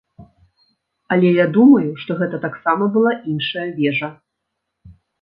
Але я думаю, што гэта таксама была іншая вежа.